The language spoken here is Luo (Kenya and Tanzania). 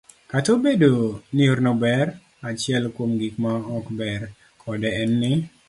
Kata obedo ni yorno ber, achiel kuom gik ma ok ber kode en ni,